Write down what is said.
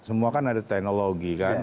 semua kan ada teknologi kan